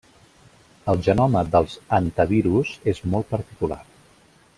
El genoma dels Hantavirus és molt particular.